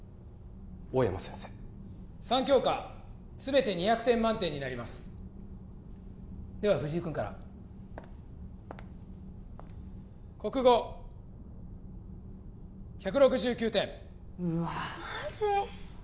大山先生三教科全て２００点満点になりますでは藤井君から国語１６９点うわマジ？